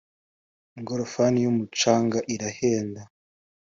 Ingorofani yumucanga irahenda